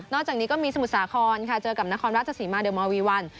นอกจากนี้ก็มีสมุดสาคอนค่ะเจอกับนครรัฐสิมาเดิร์มอร์วีวัล